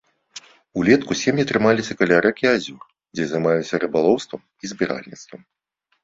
Улетку сем'і трымаліся каля рэк і азёр, дзе займаліся рыбалоўствам і збіральніцтвам.